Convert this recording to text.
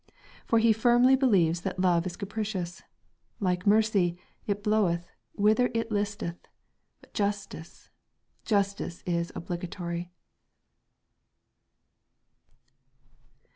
For he firmly believes that love is capricious. Like mercy, it bloweth, whither it listeth.... But justice, justice is obligatory....